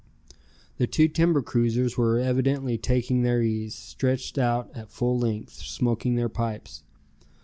The two timber cruisers were evidently taking their ease, stretched out at full length, smoking their pipes.